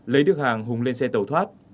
lấy được hàng hùng lên xe tàu thoát